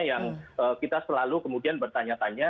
yang kita selalu kemudian bertanya tanya